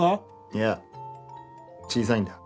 いや小さいんだ。